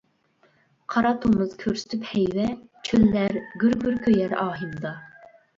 قارا تومۇز كۆرسىتىپ ھەيۋە، چۆللەر گۈر-گۈر كۆيەر ئاھىمدا.